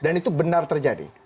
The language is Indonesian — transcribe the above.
dan itu benar terjadi